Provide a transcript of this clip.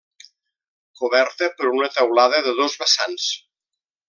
Coberta per una teulada de dos vessants.